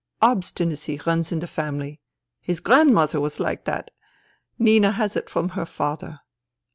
Obstinacy runs in the family. His grandmother was like that. Nina has it from her father.